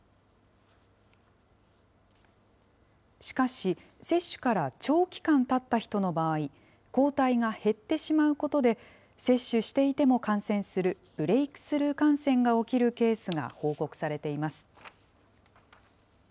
しかし接種から長期間たった人の場合、抗体が減ってしまうことで、接種していても感染する、ブレイクスルー感染が起きるケースが報告されています。